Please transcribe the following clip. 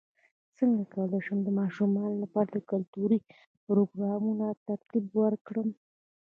څنګه کولی شم د ماشومانو لپاره د کلتوري پروګرامونو ترتیب ورکړم